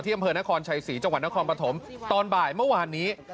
อำเภอนครชัยศรีจังหวัดนครปฐมตอนบ่ายเมื่อวานนี้